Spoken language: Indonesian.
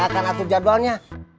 saya akan atur jadwalnya